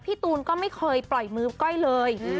ตูนก็ไม่เคยปล่อยมือก้อยเลย